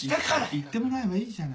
行ってもらえばいいじゃない。